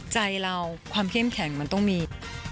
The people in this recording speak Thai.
ใจเราความเข้มแข็งมันต้องมี